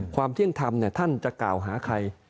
ความเที่ยงธรรมเนี่ยท่านจะก่าวหาใคร